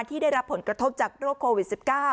ที่ได้รับผลกระทบจากโรคโควิด๑๙